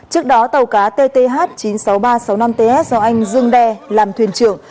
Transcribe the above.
trước đó tàu cá tth chín mươi sáu nghìn ba trăm sáu mươi năm ts do anh dương đê làm thuyền trưởng